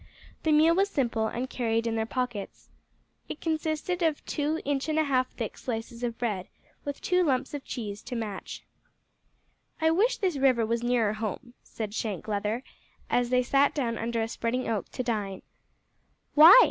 The meal was simple, and carried in their pockets. It consisted of two inch and a half thick slices of bread, with two lumps of cheese to match. "I wish this river was nearer home," said Shank Leather, as they sat down under a spreading oak to dine. "Why?"